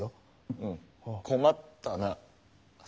うん困ったな。